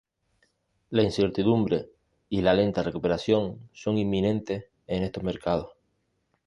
La incertidumbre y la lenta recuperación son inminentes en estos mercados.